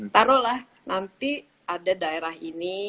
taruhlah nanti ada daerah ini